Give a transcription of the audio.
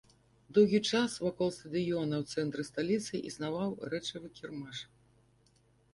Доўгі час вакол стадыёна ў цэнтры сталіцы існаваў рэчавы кірмаш.